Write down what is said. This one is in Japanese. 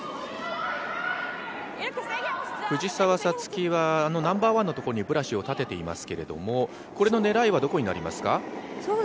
藤澤五月はナンバーワンのところにブラシを立てていますけれども、これの狙いはどこになりますか？